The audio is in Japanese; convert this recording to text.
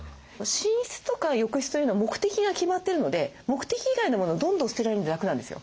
寝室とか浴室というのは目的が決まってるので目的以外のモノをどんどん捨てられるんで楽なんですよ。